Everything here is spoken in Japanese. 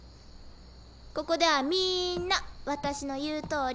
ここではみんな私の言うとおり。